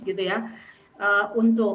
gitu ya untuk